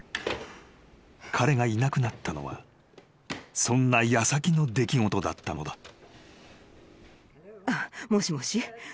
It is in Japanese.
［彼がいなくなったのはそんな矢先の出来事だったのだ］